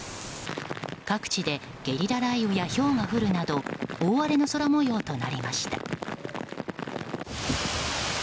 各地でゲリラ雷雨やひょうが降るなど大荒れの空模様となりました。